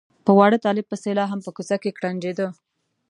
په واړه طالب پسې لا هم په کوڅه کې کوړنجېده.